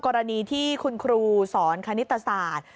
กรณีที่คุณครูสอนคณิตศาสตร์